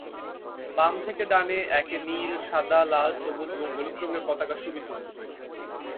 বাম থেকে ডানে একে নীল, সাদা, লাল, সবুজ এবং হলুদ রঙের পতাকা সুবিন্যস্ত থাকে।